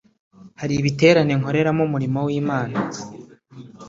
hari ibiterane nkoreramo umurimo w’Imana